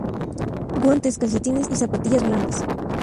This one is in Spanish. Guantes, calcetines y zapatillas blancas.